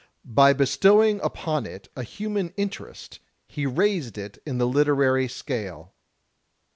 By bestowing upon it a human interest, he raised it in the literary scale."